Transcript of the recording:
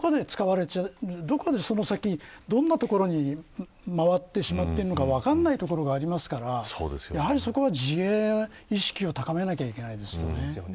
どこで、その先どんなところに回ってしまっているのか分からないところがありますからやはり、そこは自衛意識を高めないといけないですよね。